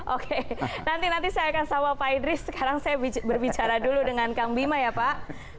oke nanti nanti saya akan sama pak idris sekarang saya berbicara dulu dengan kang bima ya pak